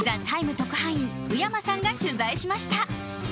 特派員、宇山さんが取材しました。